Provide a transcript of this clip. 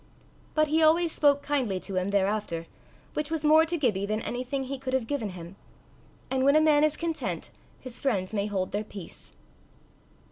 But he always spoke kindly to him thereafter, which was more to Gibbie than anything he could have given him; and when a man is content, his friends may hold their peace.